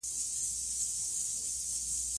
په افغانستان کې د ځمکنی شکل منابع شته.